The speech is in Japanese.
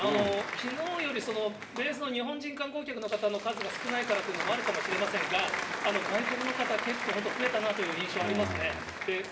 きのうよりベースの日本人観光客の方の数が少ないからというのもあるかもしれませんが、外国の方、結構本当、増えたなという印象ありますね。